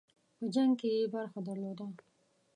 په جنګ کې یې برخه درلوده.